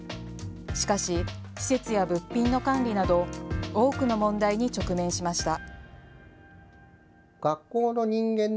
しかし、施設や物品の管理など多くの問題に直面しました。